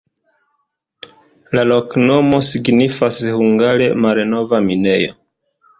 La loknomo signifas hungare: malnova minejo.